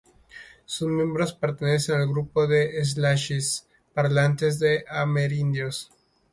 Sus miembros pertenecen al grupo de Salish-parlantes de amerindios.